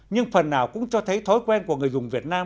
nhưng phần nào cũng cho thấy thói quen của người dùng việt nam